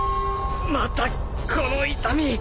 またこの痛み。